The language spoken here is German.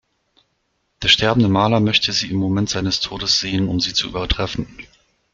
Der sterbende Maler möchte sie im Moment seines Todes sehen, um sie zu übertreffen.